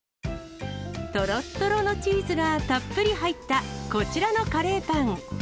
とろっとろのチーズがたっぷり入った、こちらのカレーパン。